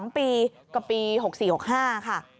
๒ปีก็ปี๖๔๖๕ค่ะ